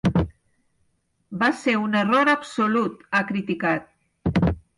“Va ser un error absolut”, ha criticat.